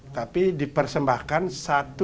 tapi dipersembahkan satu ekor yang jantan